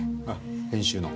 編集の？